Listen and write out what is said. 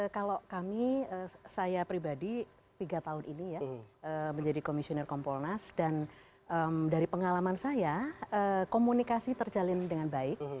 kalau kami saya pribadi tiga tahun ini ya menjadi komisioner kompolnas dan dari pengalaman saya komunikasi terjalin dengan baik